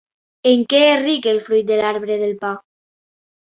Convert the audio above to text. En què és ric el fruit de l'arbre del pa?